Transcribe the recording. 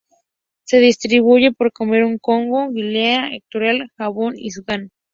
Se distribuye por Camerún, Congo, Guinea Ecuatorial, Gabón y Sudán.